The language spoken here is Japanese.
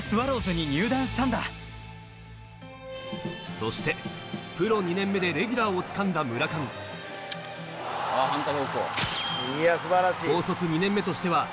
そしてプロ２年目でレギュラーをつかんだ村上反対方向。